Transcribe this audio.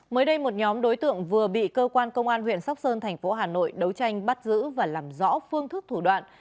mới đây một nhóm đối tượng vừa bị cơ quan công an huyện sóc sơn thành phố hà nội đấu tranh bắt giữ và làm rõ phương thức thủ đoạn